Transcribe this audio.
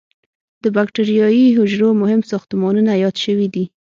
د بکټریايي حجرو مهم ساختمانونه یاد شوي دي.